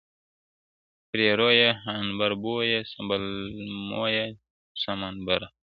پري رویه، عـنبر بویه، سمبل مویه، سمن بره